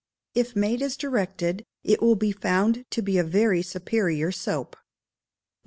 If made as directed it will be found to be a very superior soap. 1681.